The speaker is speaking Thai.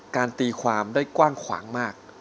ตีความได้กว้างขวางมาก